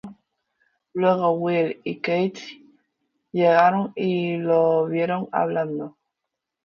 Luego, Willie y Kate llegaron y los vieron hablando.